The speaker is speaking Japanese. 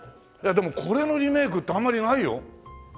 でもこれのリメイクってあんまりないよ？